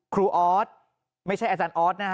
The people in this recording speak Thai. ครูออสไม่ใช่อาจารย์ออส